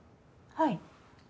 はい。